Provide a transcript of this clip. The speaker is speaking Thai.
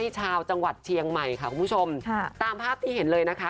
ชาวจังหวัดเชียงใหม่ค่ะคุณผู้ชมค่ะตามภาพที่เห็นเลยนะคะ